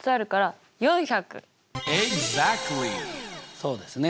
そうですね。